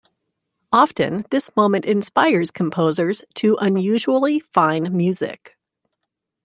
Often, this moment inspires composers to unusually fine music.